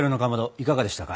いかがでしたか？